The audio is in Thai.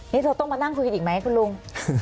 นี่เธอต้องมานั่งคุยกันอีกไหมคุณลุง